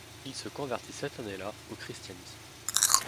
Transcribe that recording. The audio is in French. Il se convertit cette année-là au christianisme.